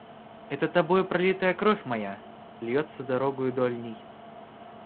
Это тобою пролитая кровь моя льется дорогою дольней.